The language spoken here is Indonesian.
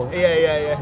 disini loh pak